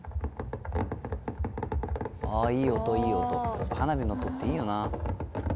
あぁいい音いい音花火の音っていいよな。